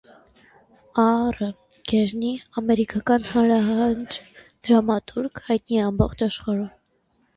Ա. Ռ. Գերնի՝ ամերիկական հանրաճանաչ դրամատուրգ, հայտնի է ամբողջ աշխարհում։